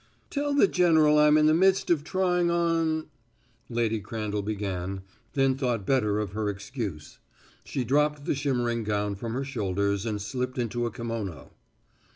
"Tell the general I'm in the midst of trying on " Lady Crandall began, then thought better of her excuse. She dropped the shimmering gown from her shoulders and slipped into a kimono.